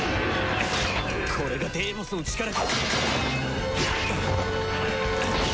これがデーボスの力か！